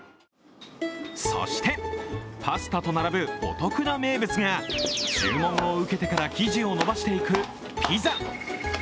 そして、パスタと並ぶお得な名物が注文を受けてから生地をのばしていくピザ。